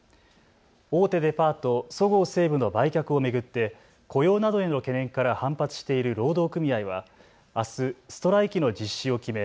大手デパート、そごう・西武の売却を巡って雇用などへの懸念から反発している労働組合はあすストライキの実施を決め